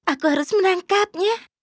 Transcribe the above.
aku harus menangkapnya